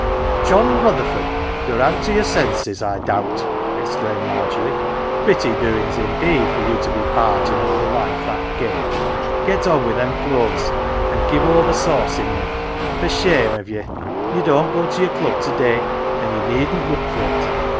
"John Rutherford, you're out o' your senses I doubt !" exclaimed Margery. " Pretty doin's indeed for you to be bargin' at your wife, that gait ! Get on wi' them clothes an' give over saucin' me. For shame of ye ! Ye don't go to your Club to day, an' ye needn't look for it.